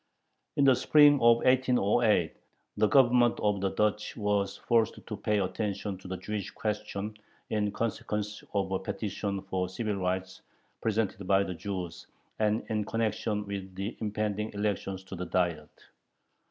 In the spring of 1808 the Government of the Duchy was forced to pay attention to the Jewish question, in consequence of a petition for civil rights presented by the Jews, and in connection with the impending elections to the Diet.